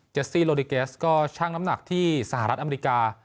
ซี่โลดิเกสก็ชั่งน้ำหนักที่สหรัฐอเมริกา